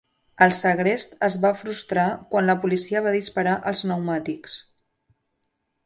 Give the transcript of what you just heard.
El segrest es va frustrar quan la policia va disparar als pneumàtics.